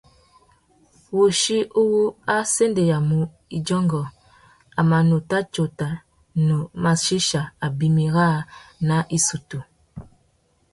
Wuchí uwú a sendéyamú idjungú, a mà nuta tsôta nu mà chichia abimî râā nà issutu.